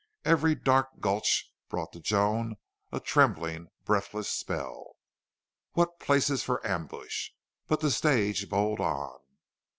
Every dark gulch brought to Joan a trembling, breathless spell. What places for ambush! But the stage bowled on.